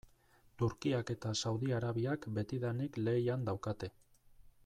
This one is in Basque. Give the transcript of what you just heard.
Turkiak eta Saudi Arabiak betidanik lehian daukate.